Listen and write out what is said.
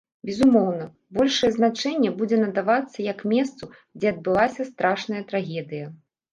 Безумоўна, большае значэнне будзе надавацца як месцу, дзе адбылася страшная трагедыя.